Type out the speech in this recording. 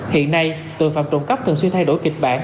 hiện nay tội phạm trộm cắp thường xuyên thay đổi kịch bản